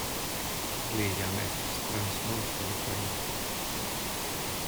Li jam estas trans montoj kaj maro.